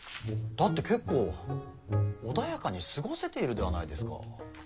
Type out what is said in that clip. だって結構穏やかに過ごせているではないですか。